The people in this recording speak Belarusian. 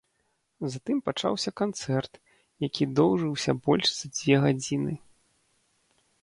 Затым пачаўся канцэрт, які доўжыўся больш за дзве гадзіны.